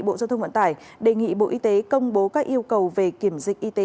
bộ giao thông vận tải đề nghị bộ y tế công bố các yêu cầu về kiểm dịch y tế